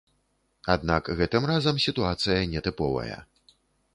Аднак гэтым разам сітуацыя нетыповая.